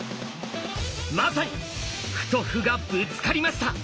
まさに歩と歩がぶつかりました！